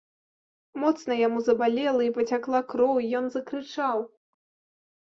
Моцна яму забалела, і пацякла кроў, і ён закрычаў.